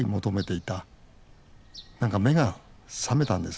何か目が覚めたんです。